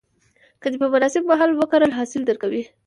که دې په مناسب مهال وکرل، حاصل درکوي.